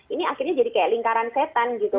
ini akhirnya jadi kayak lingkaran setan gitu